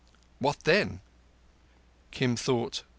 What then?" Kim thought.